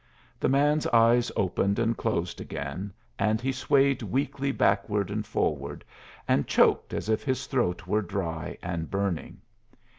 The man's eyes opened and closed again, and he swayed weakly backward and forward, and choked as if his throat were dry and burning.